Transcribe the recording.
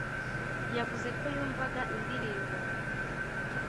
yavuze ko yumvaga indirimbo